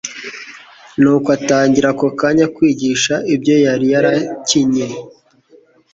nuko atangira ako kanya kwigisha ibyo yari yarakinye,